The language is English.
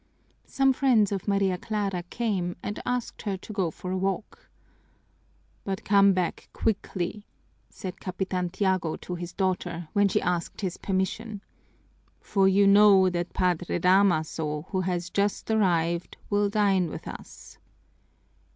Some friends of Maria Clara came and asked her to go for a walk. "But come back quickly," said Capitan Tiago to his daughter, when she asked his permission, "for you know that Padre Damaso, who has just arrived, will dine with us."